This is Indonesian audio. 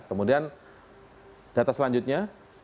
kemudian data selanjutnya